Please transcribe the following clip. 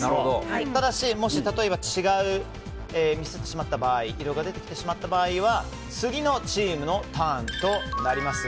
ただし、もし例えば違うミスってしまった場合色が出てきてしまった場合は次のチームのターンとなります。